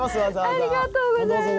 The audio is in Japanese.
ありがとうございます。